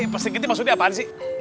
pak sri kitty maksudnya apaan sih